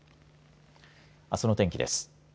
あすの天気です。